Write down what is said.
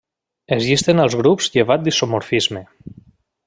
Es llisten els grups llevat d'isomorfisme.